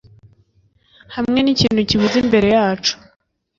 hamwe n'ikintu kibuze imbere yacu